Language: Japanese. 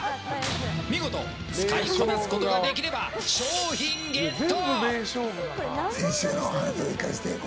見事、使いこなすことができれば商品ゲット！